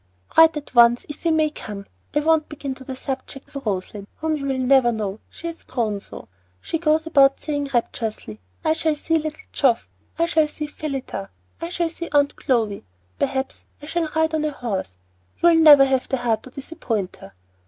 Write at once if we may come. I won't begin on the subject of Röslein, whom you will never know, she has grown so. She goes about saying rapturously, "I shall see little Geoff! I shall see Phillida! I shall see Aunt Clovy! Perhaps I shall ride on a horse!" You'll never have the heart to disappoint her.